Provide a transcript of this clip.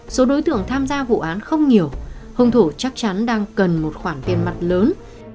số đối tượng tham gia vụ án không nhiều hùng thủ chắc chắn đang cần một khoản tiền mặt lớn